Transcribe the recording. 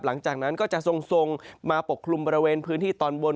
หลังจากนั้นก็จะทรงมาปกคลุมบริเวณพื้นที่ตอนบน